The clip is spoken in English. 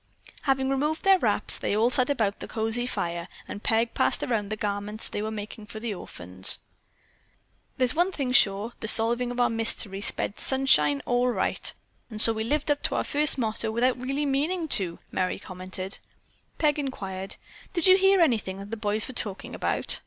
Having removed their wraps, they all sat about the cosy fire and Peg passed around the garments they were making for the orphans. "There's one thing sure, the solving of our mystery spread sunshine all right, and so we lived up to our first motto without really meaning to," Merry commented. Peg inquired: "Did you hear anything that the boys were talking about?"